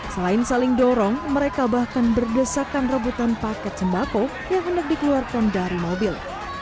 selain saling dorong mereka bahkan berdesakan rebutan paket sembako yang hendak dikeluarkan dari mobil